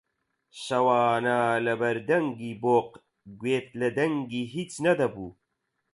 شەوانە لەبەر دەنگی بۆق گوێت لە دەنگی هیچ نەدەبوو